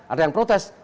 ada yang protes